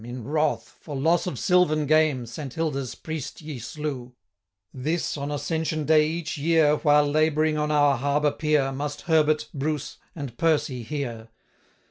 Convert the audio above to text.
In wrath, for loss of silvan game, Saint Hilda's priest ye slew.' 'This, on Ascension day, each year, While labouring on our harbour pier, 240 Must Herbert, Bruce, and Percy hear.'